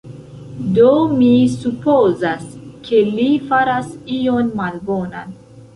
Do, mi supozas, ke li faras ion malbonan